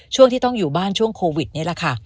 ช่วงที่ต้องอยู่บ้านช่วงโควิดนี่แหละค่ะ